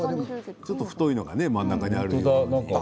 ちょっと太いのが真ん中にあるけど。